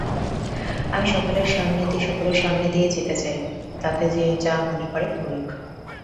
আমি সকলের সামনে দিয়ে যেতে চাই, তাতে যে যা মনে করে করুক।